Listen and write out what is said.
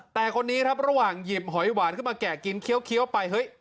แต่คนนี้ครับระหว่างหยิบหอยหวานขึ้นมาแกะกินเคี้ยวไปเฮ้ย